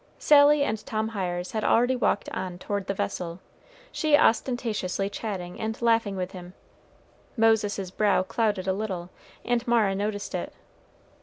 Sally and Tom Hiers had already walked on toward the vessel, she ostentatiously chatting and laughing with him. Moses's brow clouded a little, and Mara noticed it.